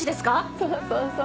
そうそうそう。